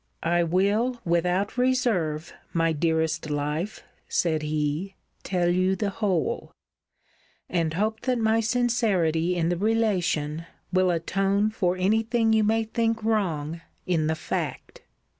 I will, without reserve, my dearest life, said he, tell you the whole; and hope that my sincerity in the relation will atone for any thing you may think wrong in the fact.